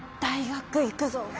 大学行くぞ。